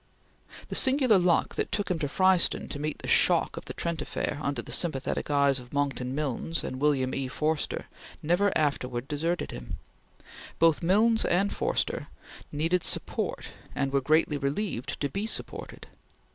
The singular luck that took him to Fryston to meet the shock of the Trent Affair under the sympathetic eyes of Monckton Milnes and William E. Forster never afterwards deserted him. Both Milnes and Forster needed support and were greatly relieved to be supported.